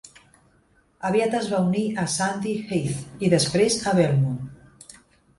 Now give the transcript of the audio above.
Aviat es va unir a Sandy Heath i després a Belmont.